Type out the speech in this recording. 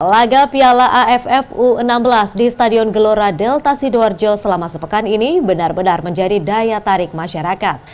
laga piala aff u enam belas di stadion gelora delta sidoarjo selama sepekan ini benar benar menjadi daya tarik masyarakat